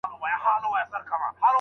د کوټې چیلم یې هر څوک درباندي خوله لکوي.